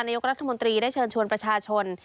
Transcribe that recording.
นายกรัฐมนตรีได้เชิญชวนประชาชน